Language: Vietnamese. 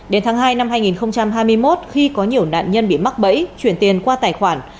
đến tháng hai năm hai nghìn hai mươi một khi có nhiều nạn nhân bị mắc bẫy chuyển tiền qua tài khoản